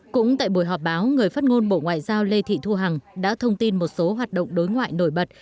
cũng tại buổi họp báo người phát ngôn bộ ngoại giao lê thị thu hằng đã thông tin một số hoạt động đối ngoại nổi bật